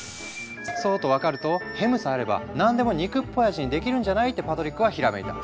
そうと分かるとヘムさえあれば何でも肉っぽい味にできるんじゃない？ってパトリックはひらめいた。